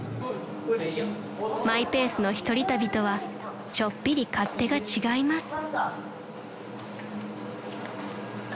［マイペースの一人旅とはちょっぴり勝手が違います］